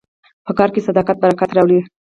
په کار کې صداقت برکت راوړي.